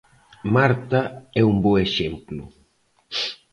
Marta é un bo exemplo.